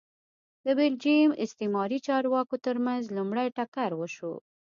د بلجیم استعماري چارواکو ترمنځ لومړی ټکر وشو